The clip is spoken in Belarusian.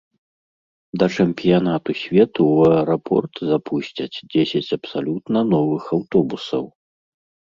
Да чэмпіянату свету ў аэрапорт запусцяць дзесяць абсалютна новых аўтобусаў.